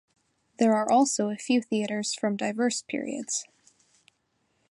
There are also a few theatres from diverse periods.